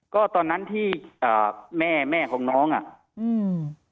ก็ตอนนั้นที่อ่าแม่แม่ของน้องอ่ะอืม